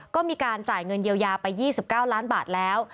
ก็มีการจ่ายเงินเยียวยาไป๒๙ล้านบาทแล้ว